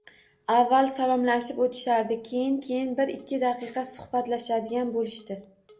Avval salomlashib o'tishardi, keyin-keyin bir-ikki daqiqa suhbatlashadigan bo'lishdi.